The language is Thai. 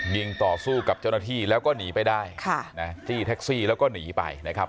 ยิงต่อสู้กับเจ้าหน้าที่แล้วก็หนีไปได้ค่ะนะจี้แท็กซี่แล้วก็หนีไปนะครับ